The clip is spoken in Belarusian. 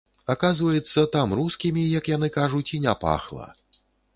Аказваецца, там рускімі, як яны кажуць, і не пахла.